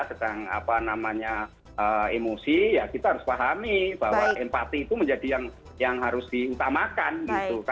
sedang apa namanya emosi ya kita harus pahami bahwa empati itu menjadi yang harus diutamakan gitu